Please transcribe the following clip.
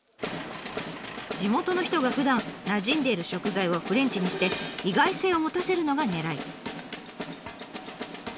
地元の人がふだんなじんでいる食材をフレンチにして意外性を持たせるのがねらい。